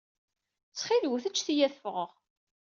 Ttxil-wet ǧǧet-iyi ad ffɣeɣ.